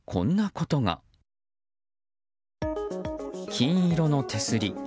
金色の手すり。